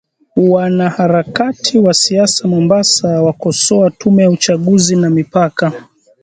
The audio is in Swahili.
Wanaharakati wa siasa Mombasa wakosoa tume ya uchaguzi na mipaka